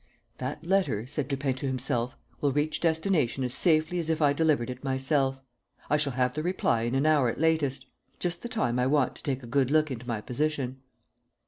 "That letter," said Lupin to himself, "will reach destination as safely as if I delivered it myself. I shall have the reply in an hour at latest: just the time I want to take a good look into my position."